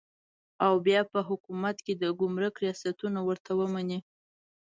او بیا په حکومت کې د ګمرک ریاستونه ورته ومني.